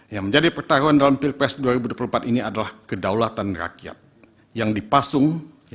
yang menjadi pertaruhan dalam pilpres dua ribu dua puluh empat ini adalah kedaulatan rakyat yang dipasung